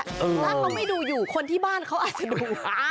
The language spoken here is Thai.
ถ้าเขาไม่ดูอยู่คนที่บ้านเขาอาจจะดู